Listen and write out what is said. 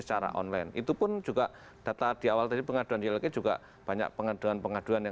secara online itu pun juga data diawal tadi pengaduan dia lagi juga banyak pengaduan pengaduan